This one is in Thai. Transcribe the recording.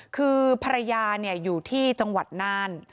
คือภรรยาอยู่ที่จังหวัดน่าน